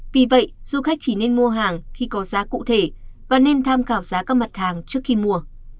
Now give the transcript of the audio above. vì vậy du khách chỉ nên mua hàng khi có giá cụ thể và nên tham khảo giá các mặt hàng trước khi mua